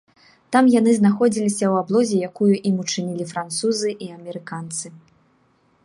Там яны знаходзіліся ў аблозе, якую ім учынілі французы і амерыканцы.